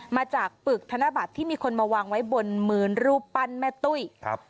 มาจากปึกธนบัตรที่มีคนมาวางไว้บนมือรูปปั้นแม่ตุ้ยครับ